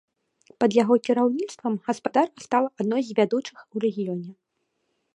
Пад яго кіраўніцтвам гаспадарка стала адной з вядучых у рэгіёне.